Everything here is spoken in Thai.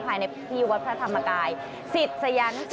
ภายในพิวดพระธรรมกายสิทธิ์สยานุสิทธิ์อย่างน้อย